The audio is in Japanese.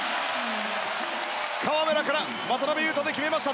河村から渡邊雄太で決めました！